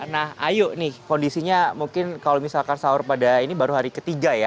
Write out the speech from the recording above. nah ayo nih kondisinya mungkin kalau misalkan sahur pada ini baru hari ketiga ya